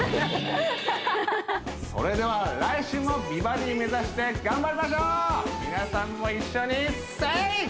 それでは来週も美バディ目指して頑張りましょう皆さんも一緒にセイ！